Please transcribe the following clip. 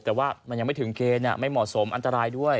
แต่ว่ามันยังไม่ถึงเกณฑ์ไม่เหมาะสมอันตรายด้วย